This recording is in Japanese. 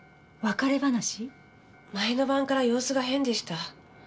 前の晩から様子が変でした。